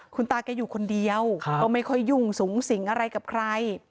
คุณตาแกอยู่คนเดียวก็ไม่ค่อยยุ่งสูงสิงอะไรกับใคร